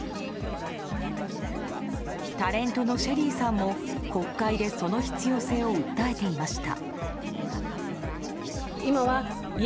タレントのＳＨＥＬＬＹさんも国会でその必要性を訴えていました。